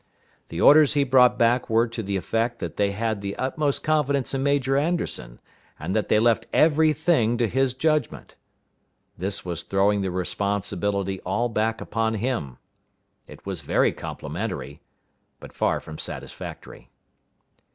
The orders he brought back were to the effect that they had the utmost confidence in Major Anderson, and that they left every thing to his judgment. This was throwing the responsibility all back upon him. It was very complimentary, but far from satisfactory.